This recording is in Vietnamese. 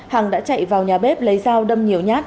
hằng đã chạy vào nhà bếp lấy dao đâm nhiều nhát